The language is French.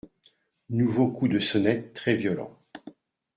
Nouveau coup de sonnette très violent.